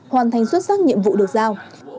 hoàn thành xuất sắc nhiệm vụ được giao